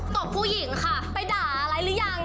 ตบผู้หญิงค่ะไปด่าอะไรหรือยัง